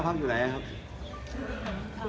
๕ภัฯท์ยังเดียวเพราะภาค